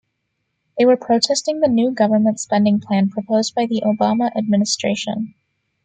They were protesting the new government spending plan proposed by the Obama administration.